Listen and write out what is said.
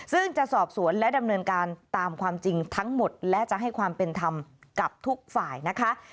ซึ่งจะสอบสวนและดำเนินการตามความจริงทั้งหมดและจะให้ความเป็นธรรมกับทุกฝ่ายนะคะ